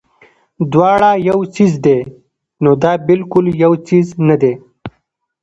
دواړه يو څيز دے نو دا بالکل يو څيز نۀ دے